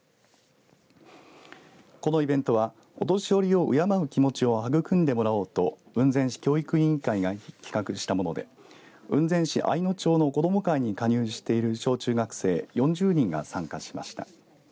このイベントはお年寄りを敬う気持ちを育んでもらおうと雲仙市教育委員会が企画したもので雲仙市愛野町の子ども会に加入している小中学生４０人が参加しました。